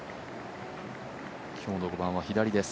今日の５番は左です。